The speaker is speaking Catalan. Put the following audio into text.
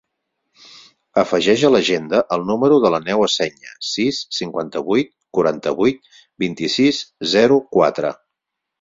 Afegeix a l'agenda el número de l'Aneu Aceña: sis, cinquanta-vuit, quaranta-vuit, vint-i-sis, zero, quatre.